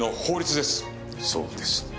そうです。